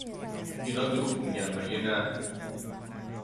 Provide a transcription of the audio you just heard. اینا دروغ میگن مگه نه ؟